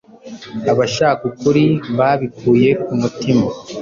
Abashaka ukuri babikuye ku mutima